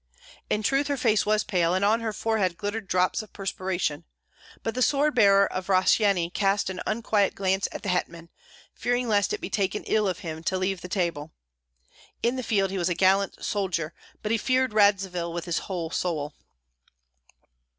In truth her face was pale, and on her forehead glittered drops of perspiration; but the sword bearer of Rossyeni cast an unquiet glance at the hetman, fearing lest it be taken ill of him to leave the table. In the field he was a gallant soldier, but he feared Radzivill with his whole soul.